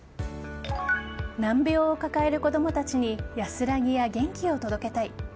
難病を抱える子供たちに安らぎや元気を届けたい。